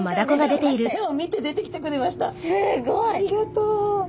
ありがとう。